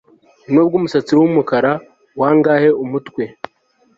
nubwo umusatsi wumukara wangahe umutwe